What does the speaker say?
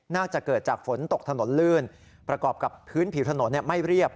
จะเกิดจากฝนตกถนนลื่นประกอบกับพื้นผิวถนนไม่เรียบ